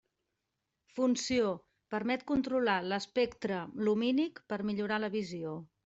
Funció: permet controlar l'espectre lumínic per millorar la visió.